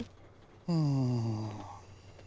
うん。